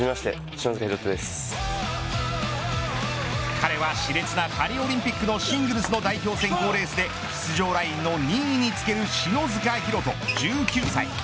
彼はし烈なパリオリンピックのシングルスの代表選考レースで出場ラインの２位につける篠塚大登、１９歳。